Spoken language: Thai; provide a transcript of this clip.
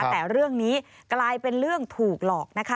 แต่เรื่องนี้กลายเป็นเรื่องถูกหลอกนะคะ